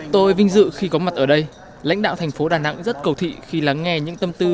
tôi vinh dự khi có mặt ở đây lãnh đạo thành phố đà nẵng rất cầu thị khi lắng nghe những tâm tư